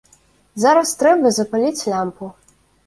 Зараз трэба запаліць лямпу.